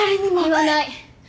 言わない。